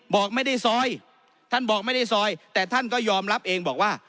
บอกไม่ได้ซอยท่านบอกไม่ได้ซอยแต่ท่านก็ยอมรับเองบอกว่า